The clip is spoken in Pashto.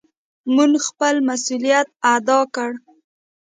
مونږ خپل مسؤليت ادا کړ.